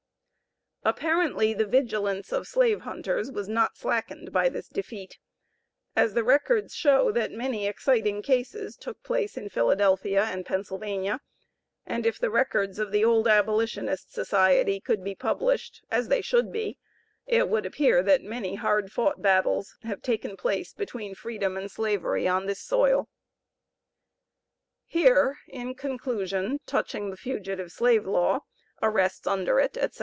Apparently, the vigilance of slave hunters was not slackened by this defeat, as the records show that many exciting cases took place in Philadelphia and Pennsylvania, and if the records of the old Abolitionist Society could be published, as they should be, it would appear that many hard fought battles have taken place between Freedom and Slavery on this soil. Here in conclusion touching the Fugitive Slave Law, arrests under it, etc.